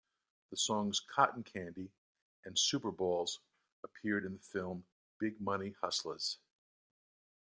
The songs "Cotton Candy" and "Super Balls" appeared in the film "Big Money Hustlas".